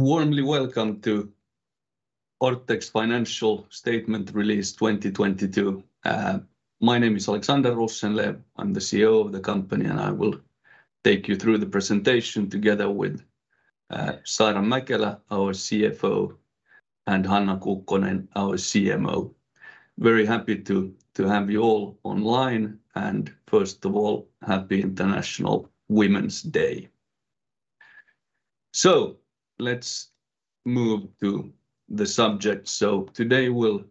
Warmly welcome to Orthex financial statement release 2022. My name is Alexander Rosenlew. I'm the CEO of the company, and I will take you through the presentation together with Saara Mäkelä, our CFO, and Hanna Kukkonen, our CMO. Very happy to have you all online, and first of all, happy International Women's Day. Let's move to the subject. Today we'll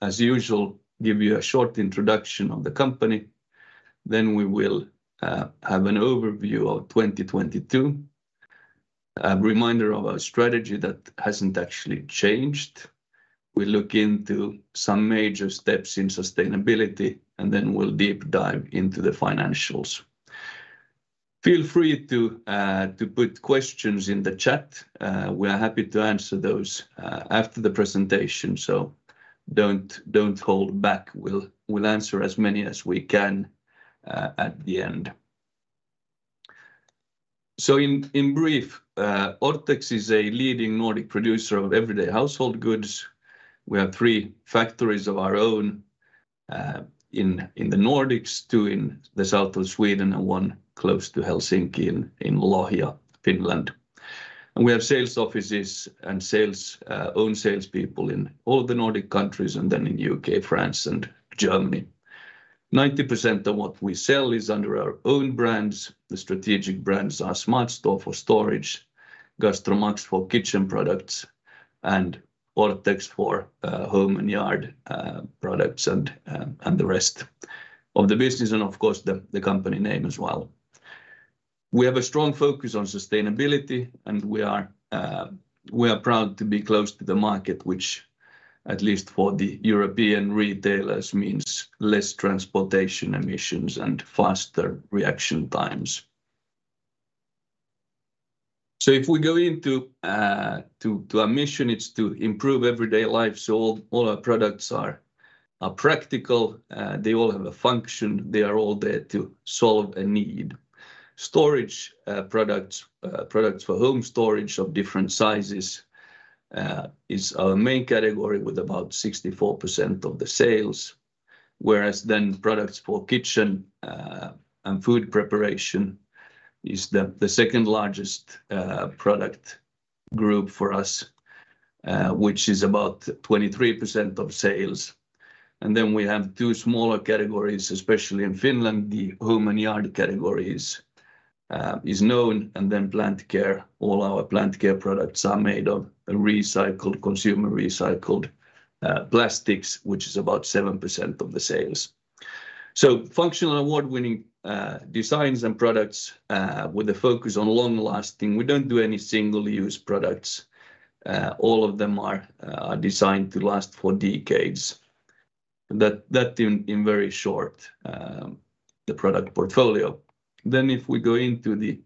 as usual give you a short introduction of the company, then we will have an overview of 2022. A reminder of our strategy that hasn't actually changed. We'll look into some major steps in sustainability, and then we'll deep dive into the financials. Feel free to put questions in the chat. We are happy to answer those after the presentation, so don't hold back. We'll answer as many as we can at the end. In brief, Orthex is a leading Nordic producer of everyday household goods. We have three factories of our own in the Nordics, two in the south of Sweden and one close to Helsinki in Lohja, Finland. We have sales offices and own sales people in all the Nordic countries and then in U.K., France, and Germany. 90% of what we sell is under our own brands. The strategic brands are SmartStore for storage, GastroMax for kitchen products, and Orthex for home and yard products and the rest of the business and of course, the company name as well. We have a strong focus on sustainability, and we are proud to be close to the market, which at least for the European retailers means less transportation emissions and faster reaction times. If we go into our mission, it's to improve everyday life. All our products are practical. They all have a function. They are all there to solve a need. Storage products for home storage of different sizes is our main category with about 64% of the sales. Whereas then products for kitchen and food preparation is the second largest product group for us, which is about 23% of sales. Then we have two smaller categories, especially in Finland, the home and yard categories is known and then plant care. All our plant care products are made of recycled consumer recycled plastics, which is about 7% of the sales. Functional award-winning designs and products with a focus on long-lasting. We don't do any single-use products. All of them are designed to last for decades. That in very short, the product portfolio. If we go into the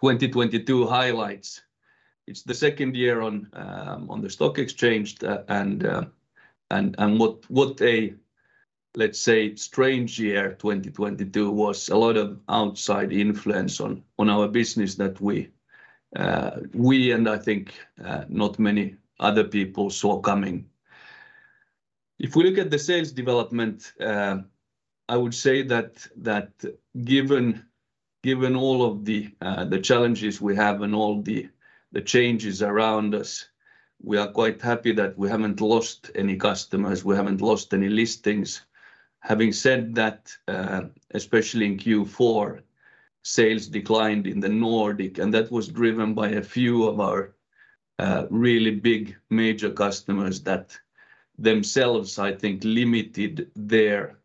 2022 highlights, it's the second year on the stock exchange, and what a, let's say, strange year 2022 was. A lot of outside influence on our business that we and I think not many other people saw coming. If we look at the sales development, I would say that given all of the challenges we have and all the changes around us, we are quite happy that we haven't lost any customers. We haven't lost any listings. Having said that, especially in Q4, sales declined in the Nordic, and that was driven by a few of our really big major customers that themselves, I think, limited their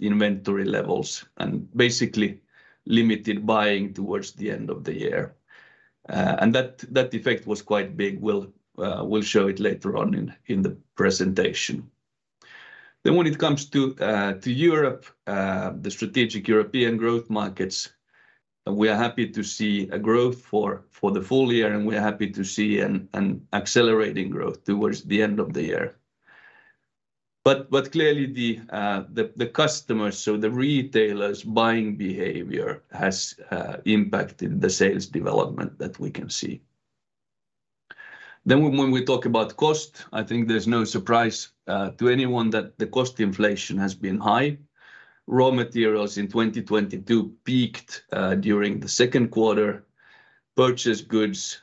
inventory levels and basically limited buying towards the end of the year. That effect was quite big. We'll show it later on in the presentation. When it comes to Europe, the strategic European growth markets, we are happy to see a growth for the full year, and we are happy to see an accelerating growth towards the end of the year. Clearly the customers, so the retailers' buying behavior has impacted the sales development that we can see. When we talk about cost, I think there's no surprise to anyone that the cost inflation has been high. Raw materials in 2022 peaked during the second quarter. Purchase goods,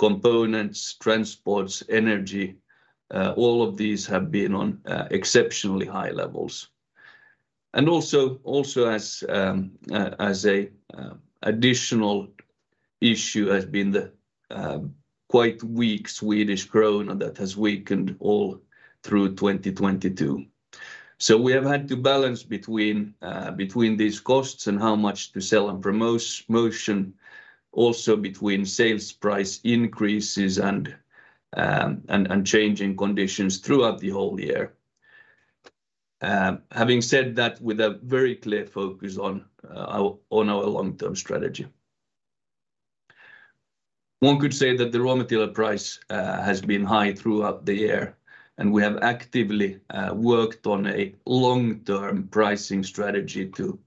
components, transports, energy, all of these have been on exceptionally high levels. Also as a additional issue has been the quite weak Swedish krona that has weakened all through 2022. We have had to balance between these costs and how much to sell and promo-motion, also between sales price increases and changing conditions throughout the whole year. Having said that, with a very clear focus on our long-term strategy. One could say that the raw material price has been high throughout the year, and we have actively worked on a long-term pricing strategy to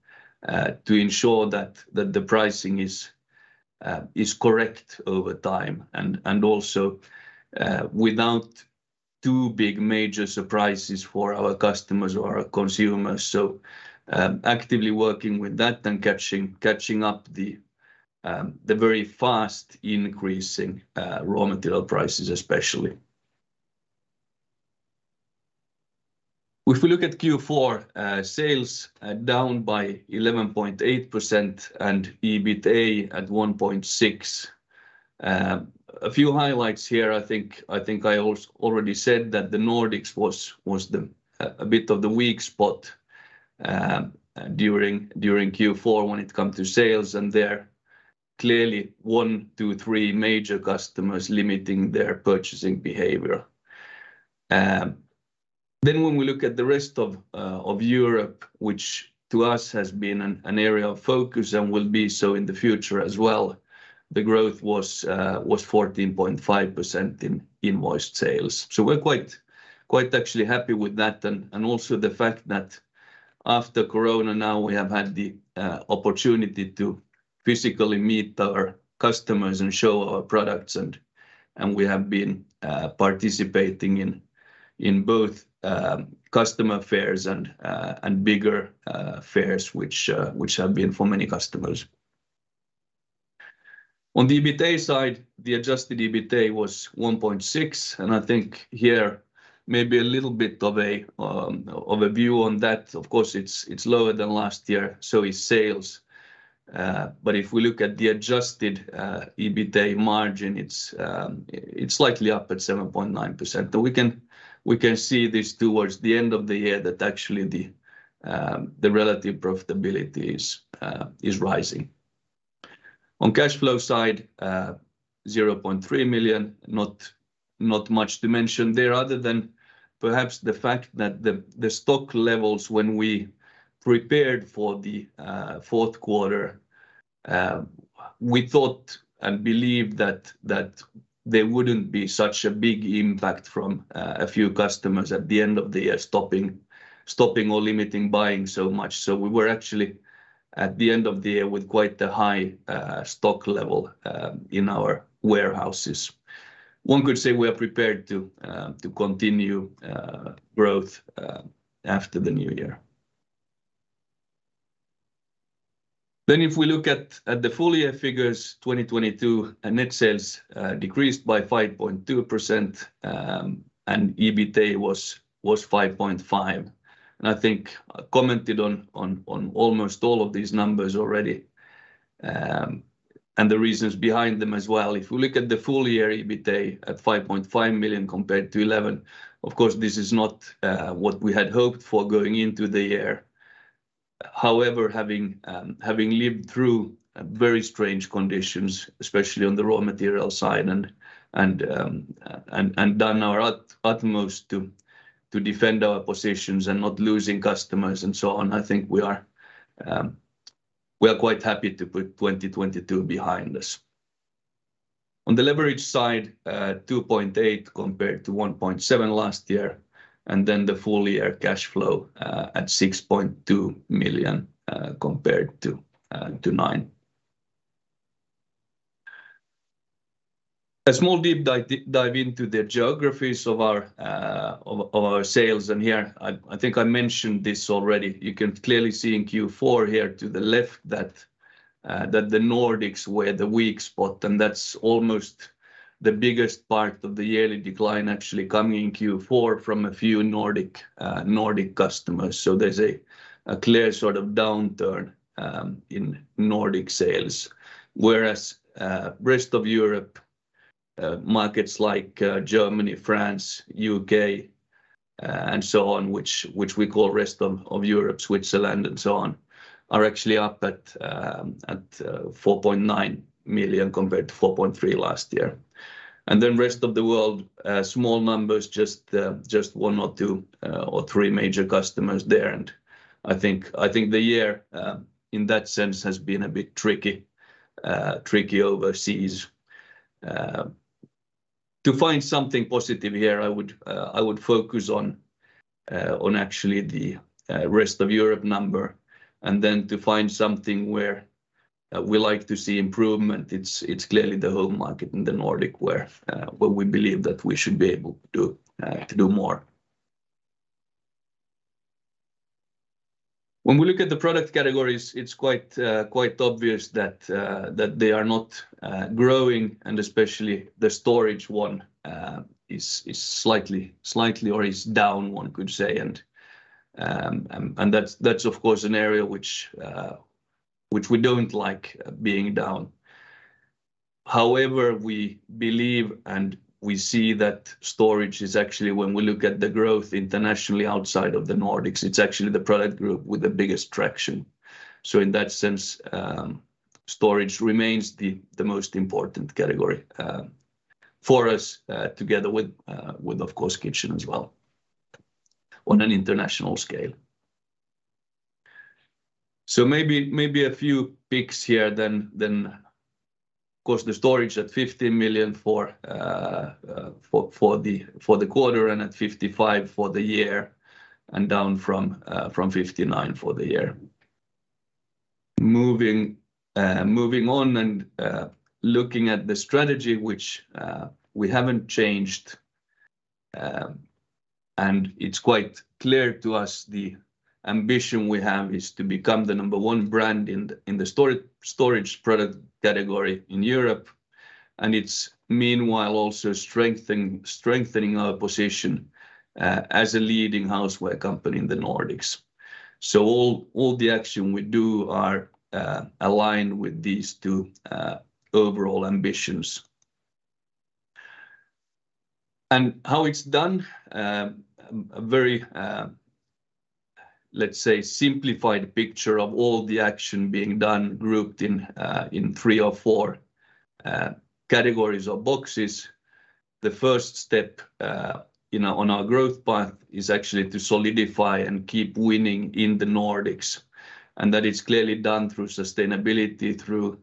ensure that the pricing is correct over time and also without two big major surprises for our customers or our consumers. Actively working with that and catching up the very fast increasing raw material prices especially. If we look at Q4, sales are down by 11.8% and EBITA at 1.6. A few highlights here. I think I already said that the Nordics was the a bit of the weak spot during Q4 when it come to sales, and they're clearly one, two, three major customers limiting their purchasing behavior. When we look at the rest of Europe, which to us has been an area of focus and will be so in the future as well, the growth was 14.5% in invoiced sales. We're quite actually happy with that and also the fact that after Corona now we have had the opportunity to physically meet our customers and show our products and we have been participating in both customer fairs and bigger fairs which have been for many customers. On the EBITA side, the adjusted EBITA was 1.6, and I think here maybe a little bit of a view on that. Of course, it's lower than last year, so is sales. If we look at the adjusted EBITA margin, it's slightly up at 7.9%, but we can see this towards the end of the year that actually the relative profitability is rising. On cash flow side, 0.3 million, not much to mention there other than perhaps the fact that the stock levels when we prepared for the fourth quarter, we thought and believed that there wouldn't be such a big impact from a few customers at the end of the year stopping or limiting buying so much. We were actually at the end of the year with quite a high stock level in our warehouses. One could say we are prepared to continue growth after the new year. If we look at the full year figures, 2022 net sales, decreased by 5.2%, and EBITA was 5.5 million. I think I commented on almost all of these numbers already, and the reasons behind them as well. If we look at the full year EBITA at 5.5 million compared to 11 million, of course, this is not what we had hoped for going into the year. However, having lived through very strange conditions, especially on the raw material side and done our utmost to defend our positions and not losing customers and so on, I think we are quite happy to put 2022 behind us. On the leverage side, 2.8 compared to 1.7 last year, the full year cash flow at 6.2 million compared to 9. A small deep dive into the geographies of our sales. Here, I think I mentioned this already. You can clearly see in Q4 here to the left that the Nordics were the weak spot, and that's almost the biggest part of the yearly decline actually coming in Q4 from a few Nordic customers. There's a clear sort of downturn in Nordic sales. Whereas, rest of Europe, markets like Germany, France, U.K., and so on, which we call rest of Europe, Switzerland and so on, are actually up at 4.9 million compared to 4.3 million last year. Rest of the world, small numbers, just one or two or three major customers there. I think the year in that sense has been a bit tricky overseas. To find something positive here, I would focus on actually the rest of Europe number. To find something where we like to see improvement, it's clearly the home market in the Nordic where we believe that we should be able to do more. When we look at the product categories, it's quite obvious that they are not growing, and especially the storage one, is slightly or is down, one could say. That's of course an area which we don't like being down. However, we believe and we see that storage is actually... when we look at the growth internationally outside of the Nordics, it's actually the product group with the biggest traction. In that sense, SmartStore remains the most important category, for us, together with of course kitchen as well on an international scale. Maybe a few picks here then of course the storage at 50 million for the quarter and at 55 for the year and down from 59 for the year. Moving on and looking at the strategy which we haven't changed, and it's quite clear to us the ambition we have is to become the number one brand in the storage product category in Europe, and it's meanwhile also strengthening our position as a leading houseware company in the Nordics. All the action we do are aligned with these two overall ambitions. How it's done, a very, let's say simplified picture of all the action being done grouped in three or four categories or boxes. The first step, you know, on our growth path is actually to solidify and keep winning in the Nordics, and that is clearly done through sustainability, through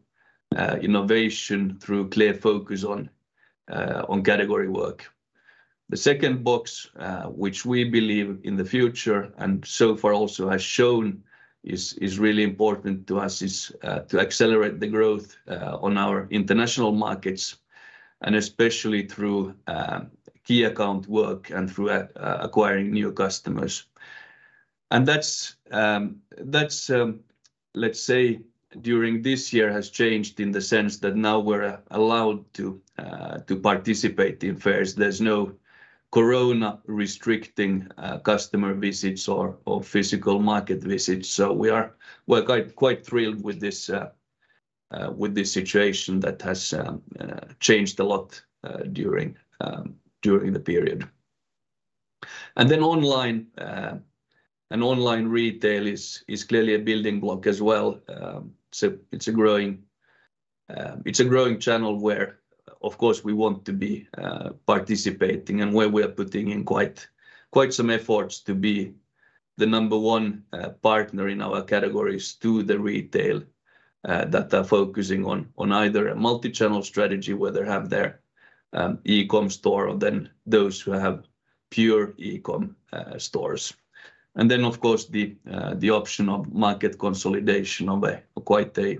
innovation, through clear focus on category work. The second box, which we believe in the future, and so far also has shown is really important to us, is to accelerate the growth on our international markets, and especially through key account work and through acquiring new customers. That's, let's say, during this year has changed in the sense that now we're allowed to participate in fairs. There's no Corona restricting customer visits or physical market visits, so we're quite thrilled with this situation that has changed a lot during the period. Then online, and online retail is clearly a building block as well. So it's a growing, it's a growing channel where, of course, we want to be participating and where we're putting in quite some efforts to be the number one partner in our categories to the retail that are focusing on either a multi-channel strategy, where they have their e-com store or then those who have pure e-com stores. Then, of course, the option of market consolidation of a, quite a,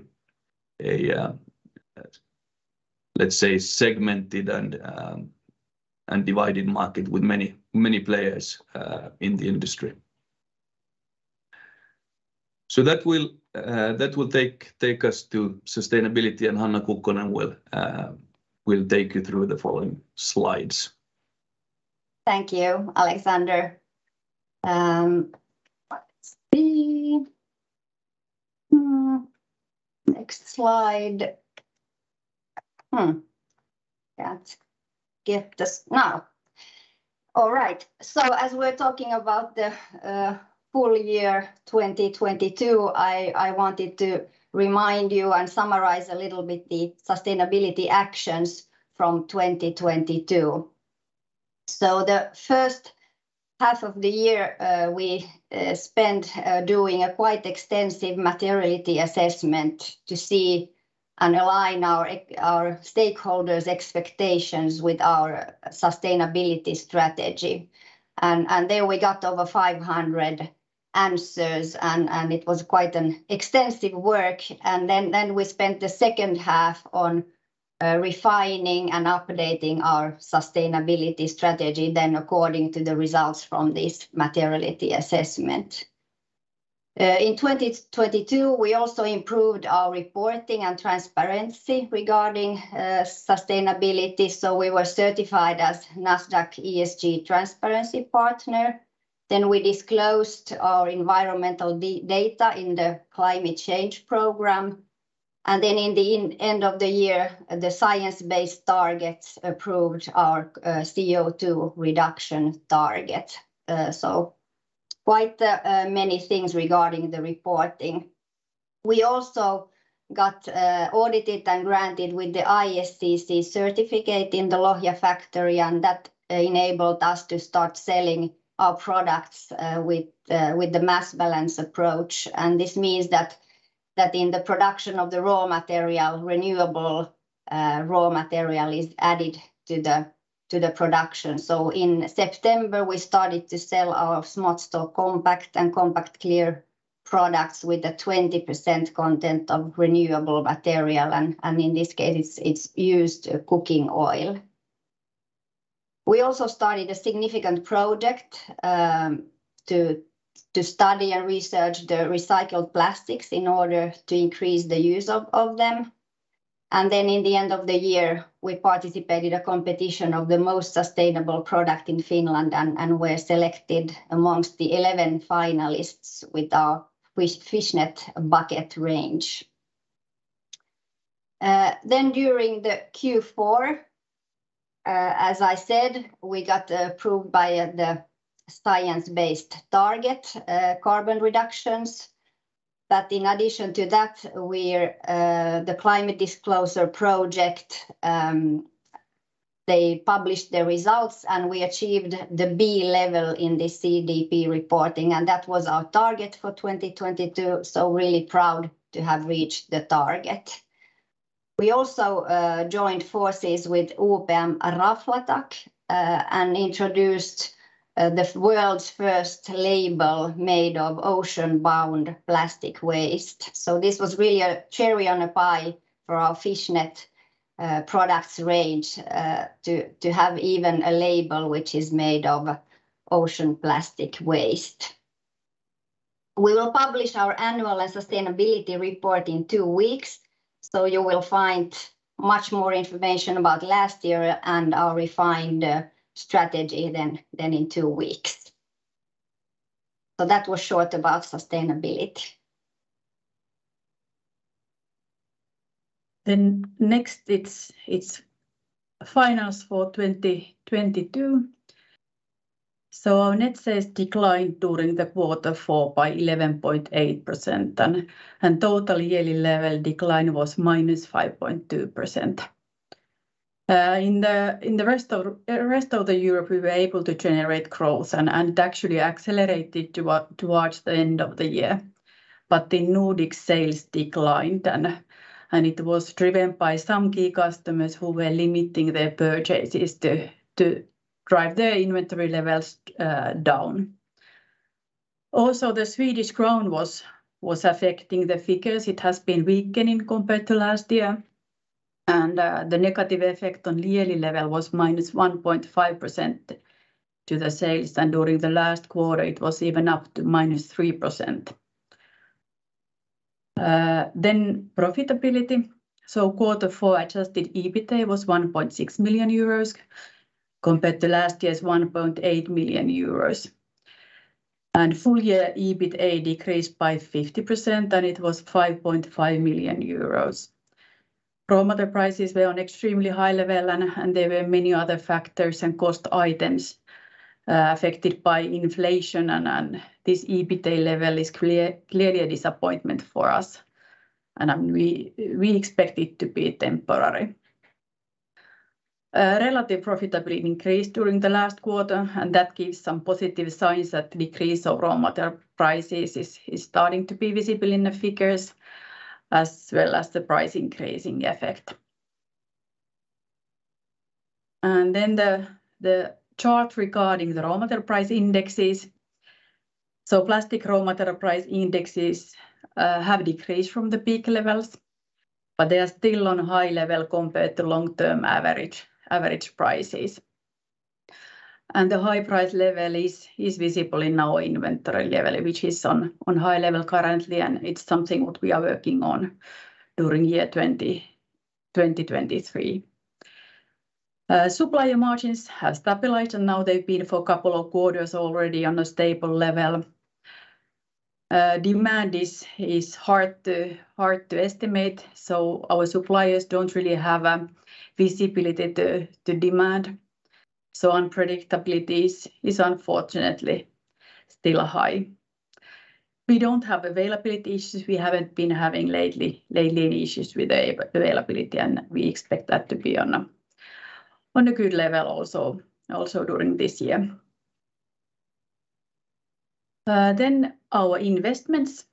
let's say, segmented and divided market with many players in the industry. That will, that will take us to sustainability, and Hanna Kukkonen will take you through the following slides. Thank you, Alexander. Let's see. Next slide. All right. As we're talking about the full year 2022, I wanted to remind you and summarize a little bit the sustainability actions from 2022. The first half of the year, we spent doing a quite extensive materiality assessment to see and align our stakeholders' expectations with our sustainability strategy. There we got over 500 answers, and it was quite an extensive work. We spent the second half on refining and updating our sustainability strategy then according to the results from this materiality assessment. In 2022, we also improved our reporting and transparency regarding sustainability, so we were certified as Nasdaq ESG Transparency Partner. We disclosed our environmental data in the Climate Change program. In the end of the year, the Science-Based Targets approved our CO2 reduction target. Quite many things regarding the reporting. We also got audited and granted with the ISCC certificate in the Lohja factory, that enabled us to start selling our products with the mass balance approach, and this means that in the production of the raw material, renewable raw material is added to the production. In September, we started to sell our SmartStore Compact and SmartStore Compact Clear products with a 20% content of renewable material and in this case, it's used cooking oil. We also started a significant project to study and research the recycled plastics in order to increase the use of them. In the end of the year, we participated a competition of the most sustainable product in Finland and were selected amongst the 11 finalists with our fishnet bucket range. During the Q4, as I said, we got approved by the Science-Based Targets carbon reductions, in addition to that, we're the Climate Disclosure Project, they published the results, we achieved the B-level in the CDP reporting, that was our target for 2022, really proud to have reached the target. We also joined forces with UPM Raflatac and introduced the world's first label made of ocean-bound plastic waste. This was really a cherry on a pie for our fishnet products range to have even a label which is made of ocean plastic waste. We will publish our annual sustainability report in two weeks, you will find much more information about last year and our refined strategy then in two weeks. That was short about sustainability. Next, it's finance for 2022. Our net sales declined during the quarter four by 11.8% and total yearly level decline was -5.2%. In the rest of the Europe, we were able to generate growth and actually accelerated towards the end of the year. The Nordic sales declined and it was driven by some key customers who were limiting their purchases to drive their inventory levels down. Also, the Swedish krona was affecting the figures. It has been weakening compared to last year, and the negative effect on yearly level was -1.5% to the sales, and during the last quarter, it was even up to -3%. Profitability. Quarter four adjusted EBITA was 1.6 million euros compared to last year's 1.8 million euros. Full year EBITA decreased by 50%, and it was 5.5 million euros. Raw material prices were on extremely high level and there were many other factors and cost items affected by inflation and this EBITA level is clearly a disappointment for us, and we expect it to be temporary. Relative profitability increased during the last quarter, and that gives some positive signs that decrease of raw material prices is starting to be visible in the figures, as well as the price increasing effect. The chart regarding the raw material price indexes. Plastic raw material price indexes have decreased from the peak levels, but they are still on high level compared to long-term average prices. The high price level is visible in our inventory level, which is on high level currently, and it's something what we are working on during year 2023. Supplier margins have stabilized, and now they've been for a couple of quarters already on a stable level. Demand is hard to estimate, so our suppliers don't really have a visibility to demand. Unpredictability is unfortunately still high. We don't have availability issues. We haven't been having lately issues with availability, and we expect that to be on a good level also during this year. Our investments.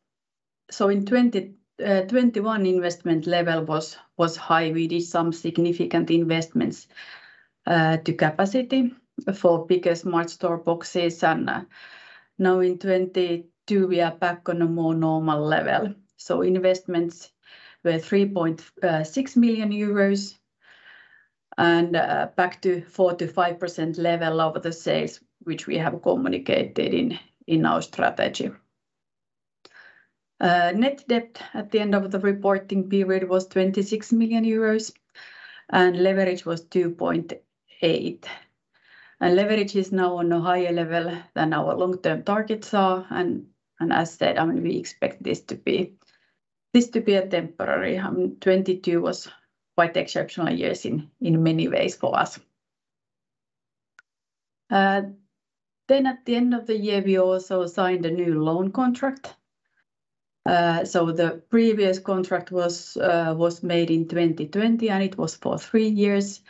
In 2021, investment level was high. We did some significant investments to capacity for bigger SmartStore boxes. Now in 2022, we are back on a more normal level. Investments were 3.6 million euros and back to 4%-5% level of the sales, which we have communicated in our strategy. Net debt at the end of the reporting period was 26 million euros and leverage was 2.8. Leverage is now on a higher level than our long-term targets are, and as said, I mean, we expect this to be a temporary. 2022 was quite exceptional years in many ways for us. At the end of the year, we also signed a new loan contract. The previous contract was made in 2020, and it was for three years,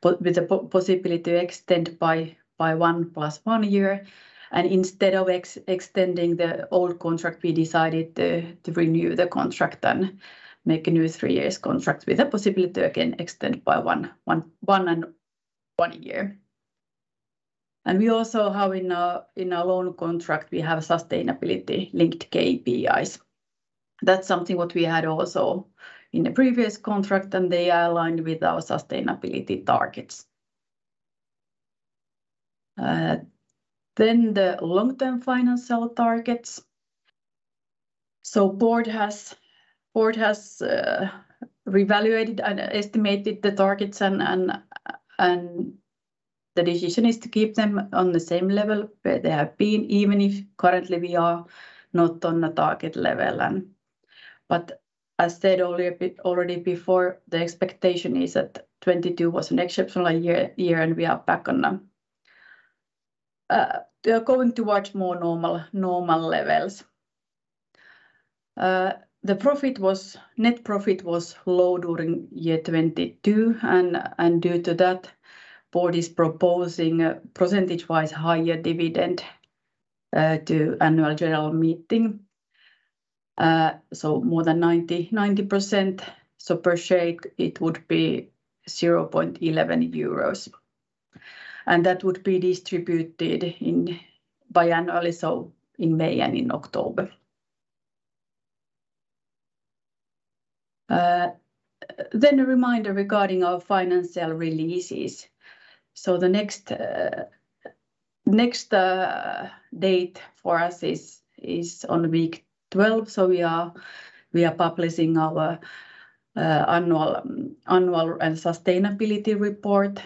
but with the possibility to extend by one plus one year. Instead of extending the old contract, we decided to renew the contract and make a new three years contract with the possibility again extend by one and one year. We also have in our loan contract, we have sustainability linked KPIs. That's something what we had also in the previous contract, and they are aligned with our sustainability targets. The long-term financial targets. Board has revaluated and estimated the targets and the decision is to keep them on the same level where they have been, even if currently we are not on the target level. As said earlier, already before, the expectation is that 2022 was an exceptional year, and we are back on a, we are going towards more normal levels. Net profit was low during year 2022, and due to that, board is proposing a percentage-wise higher dividend to annual general meeting. More than 90%. Per share it would be 0.11 euros. That would be distributed in biannually, so in May and in October. A reminder regarding our financial releases. The next date for us is on week 12. We are publishing our annual and sustainability report.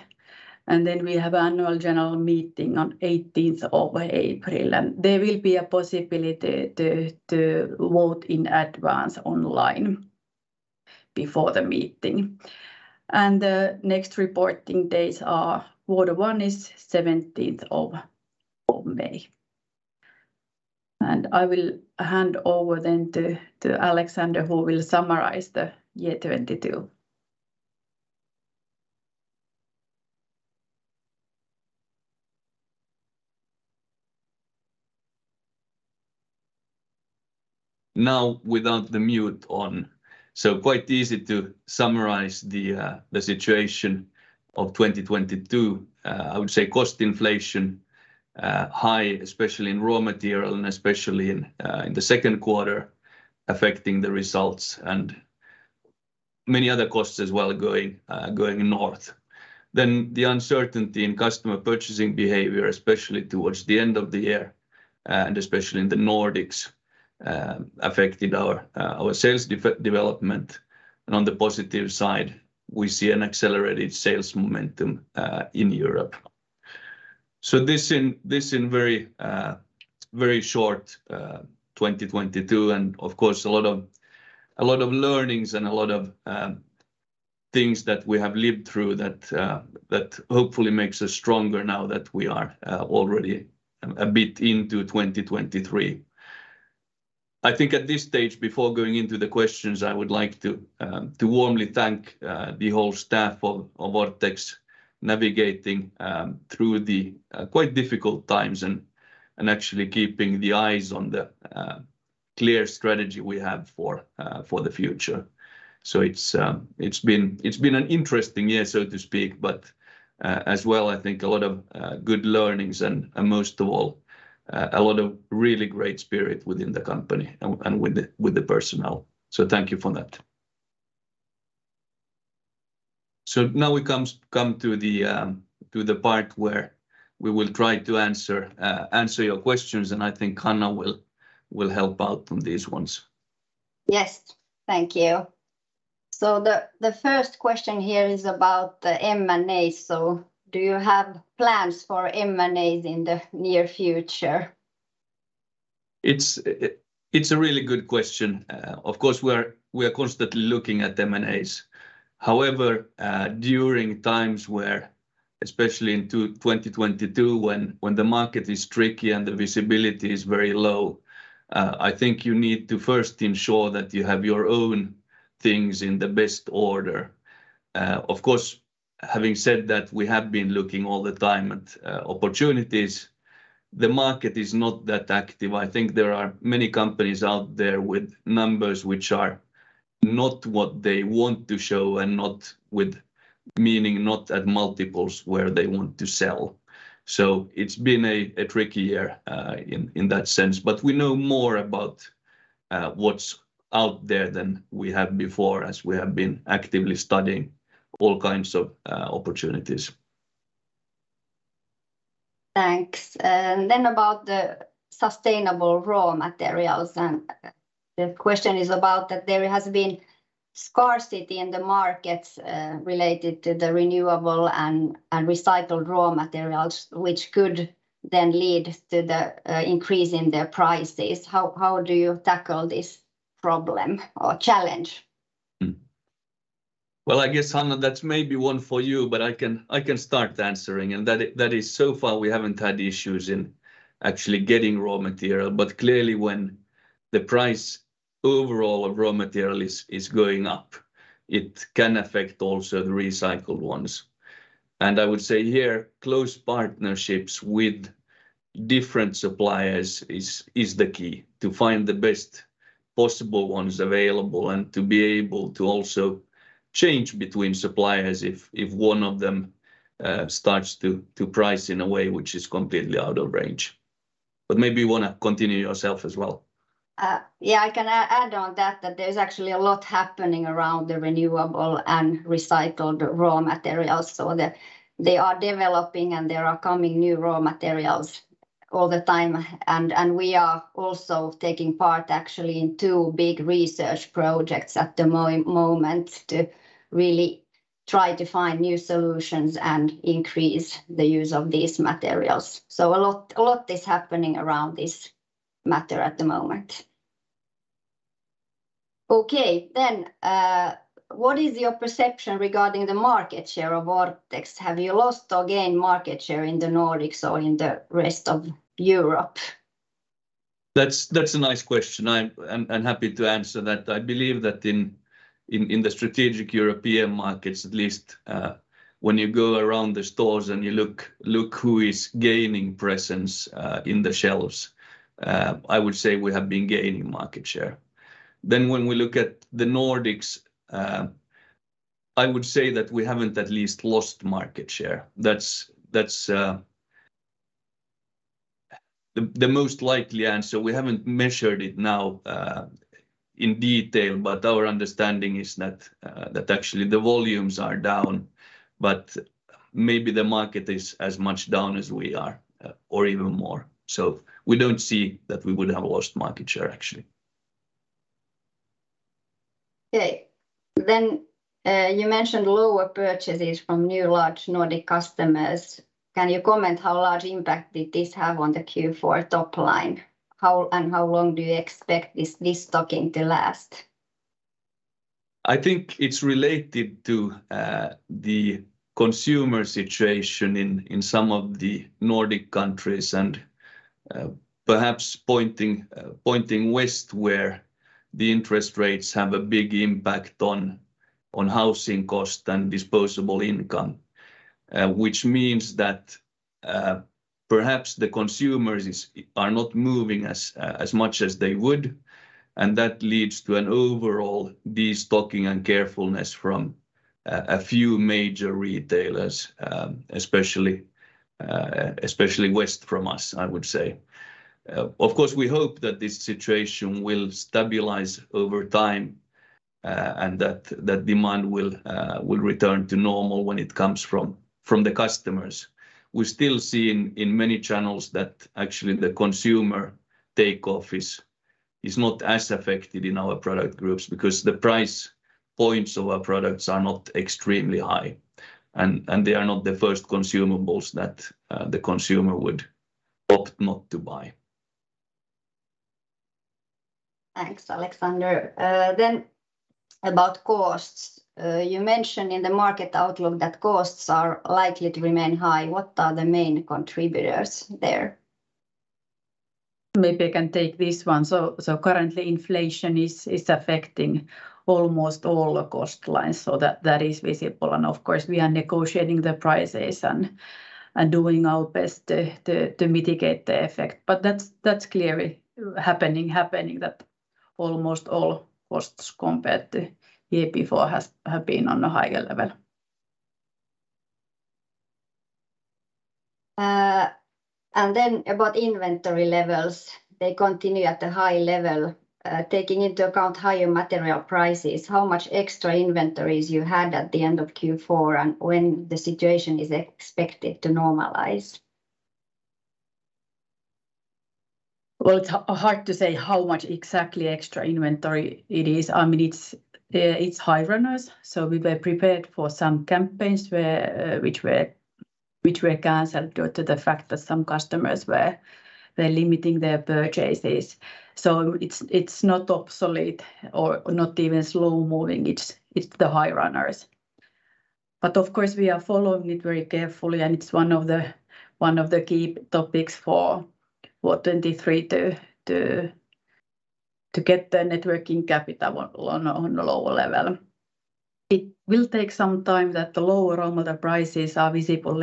We have annual general meeting on 18th of April. There will be a possibility to vote in advance online before the meeting. The next reporting dates are quarter one is 17th of May. I will hand over then to Alexander, who will summarize the year 2022. Now without the mute on. Quite easy to summarize the situation of 2022. I would say cost inflation, high, especially in raw material and especially in the second quarter affecting the results and many other costs as well going north. The uncertainty in customer purchasing behavior, especially towards the end of the year, and especially in the Nordics, affected our sales development. On the positive side, we see an accelerated sales momentum in Europe. This in, this in very short, 2022 and of course a lot of, a lot of learnings and a lot of things that we have lived through that hopefully makes us stronger now that we are already a bit into 2023. I think at this stage before going into the questions, I would like to warmly thank the whole staff of Orthex navigating through the quite difficult times and actually keeping the eyes on the clear strategy we have for the future. It's been an interesting year, so to speak, but as well, I think a lot of good learnings and most of all, a lot of really great spirit within the company and with the personnel. Thank you for that. Now we come to the part where we will try to answer your questions, and I think Hanna will help out on these ones. Yes. Thank you. The first question here is about the M&A. Do you have plans for M&A in the near future? It's a really good question. Of course, we're constantly looking at M&A. However, during times where, especially in 2022 when the market is tricky and the visibility is very low, I think you need to first ensure that you have your own things in the best order. Of course, having said that, we have been looking all the time at opportunities. The market is not that active. I think there are many companies out there with numbers which are not what they want to show and meaning not at multiples where they want to sell. It's been a tricky year in that sense. We know more about what's out there than we have before as we have been actively studying all kinds of opportunities. Thanks. About the sustainable raw materials, the question is about that there has been scarcity in the markets, related to the renewable and recycled raw materials, which could then lead to the increase in the prices. How do you tackle this problem or challenge? Well, I guess, Hanna, that's maybe one for you, but I can start answering. That is so far we haven't had issues in actually getting raw material, but clearly when the price overall of raw material is going up, it can affect also the recycled ones. I would say here, close partnerships with different suppliers is the key to find the best possible ones available and to be able to also change between suppliers if one of them starts to price in a way which is completely out of range. Maybe you wanna continue yourself as well. Yeah, I can add on that there's actually a lot happening around the renewable and recycled raw materials so that they are developing, and there are coming new raw materials all the time. We are also taking part actually in two big research projects at the moment to really try to find new solutions and increase the use of these materials. A lot is happening around this matter at the moment. What is your perception regarding the market share of Orthex? Have you lost or gained market share in the Nordics or in the rest of Europe? That's a nice question. I'm happy to answer that. I believe that in the strategic European markets at least, when you go around the stores and you look who is gaining presence in the shelves, I would say we have been gaining market share. When we look at the Nordics, I would say that we haven't at least lost market share. That's the most likely answer. We haven't measured it now in detail, but our understanding is that actually the volumes are down, but maybe the market is as much down as we are or even more. We don't see that we would have lost market share actually. Okay. You mentioned lower purchases from new large Nordic customers. Can you comment how large impact did this have on the Q4 top line? How long do you expect this stocking to last? I think it's related to the consumer situation in some of the Nordic countries and perhaps pointing west where the interest rates have a big impact on housing cost and disposable income. Which means that perhaps the consumers are not moving as much as they would, and that leads to an overall de-stocking and carefulness from a few major retailers, especially west from us, I would say. Of course, we hope that this situation will stabilize over time, and that demand will return to normal when it comes from the customers. We still see in many channels that actually the consumer takeoff is not as affected in our product groups because the price points of our products are not extremely high and they are not the first consumables that the consumer would opt not to buy. Thanks, Alexander. About costs. You mentioned in the market outlook that costs are likely to remain high. What are the main contributors there? Maybe I can take this one. Currently inflation is affecting almost all the cost lines, so that is visible. Of course, we are negotiating the prices and doing our best to mitigate the effect. That's clearly happening that almost all costs compared to year before have been on a higher level. About inventory levels, they continue at a high level. Taking into account higher material prices, how much extra inventories you had at the end of Q4, and when the situation is expected to normalize? It's hard to say how much exactly extra inventory it is. I mean, it's high runners. We were prepared for some campaigns where which were canceled due to the fact that some customers were limiting their purchases. It's, it's not obsolete or not even slow moving. It's, it's the high runners. Of course, we are following it very carefully and it's one of the key topics for what 2023 to get the net working capital on a, on a lower level. It will take some time that the lower raw material prices are visible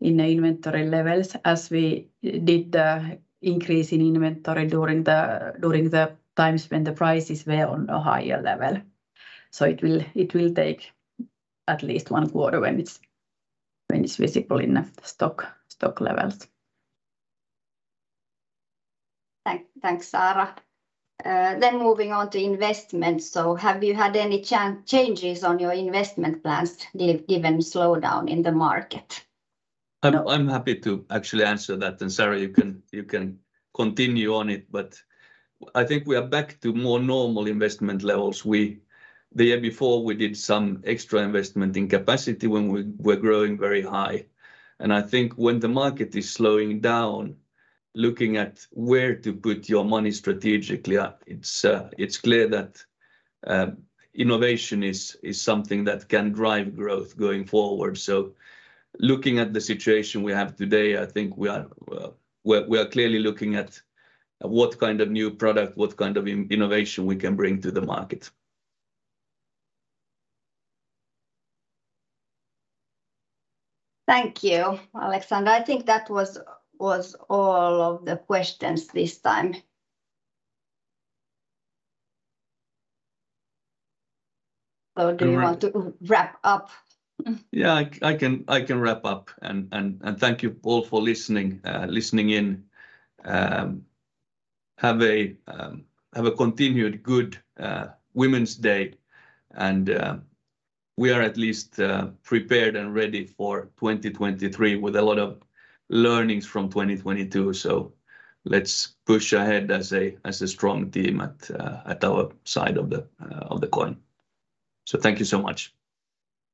in the inventory levels as we did the increase in inventory during the times when the prices were on a higher level. It will take at least one quarter when it's visible in the stock levels. Thanks, Saara. Moving on to investment. Have you had any changes on your investment plans given slowdown in the market? I'm happy to actually answer that. Saara, you can continue on it, but I think we are back to more normal investment levels. We the year before we did some extra investment in capacity when we were growing very high. I think when the market is slowing down, looking at where to put your money strategically, it's clear that innovation is something that can drive growth going forward. Looking at the situation we have today, I think we are clearly looking at what kind of new product, what kind of innovation we can bring to the market. Thank you, Alexander. I think that was all of the questions this time. Do you want to wrap up? Yeah, I can wrap up. Thank you all for listening in. Have a continued good Women's Day. We are at least prepared and ready for 2023 with a lot of learnings from 2022. Let's push ahead as a strong team at our side of the coin. Thank you so much.